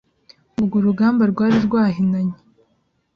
Ubwo urugamba rwari rwahinanye